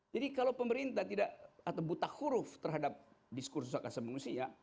jadi kalau pemerintah tidak atau buta huruf terhadap diskursus hak asasi manusia